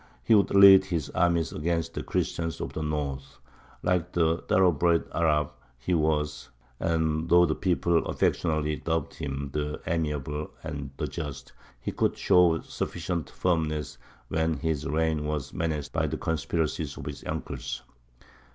He would lead his armies against the Christians of the North, like the thoroughbred Arab he was; and, though the people affectionately dubbed him "The Amiable" and "The Just," he could show sufficient firmness when his reign was menaced by the conspiracies of his uncles.